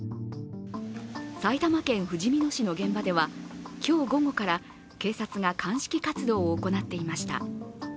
埼玉県ふじみ野市の現場では今日午後から警察が鑑識活動を行っていました。